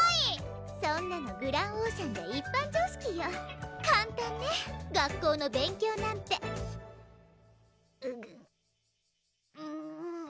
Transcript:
そんなのグランオーシャンじゃ一般常識よ簡単ね学校の勉強なんてうぐうぅ